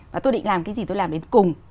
và tôi định làm cái gì tôi làm đến cùng